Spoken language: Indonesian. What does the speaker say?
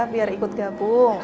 biar ikut gabung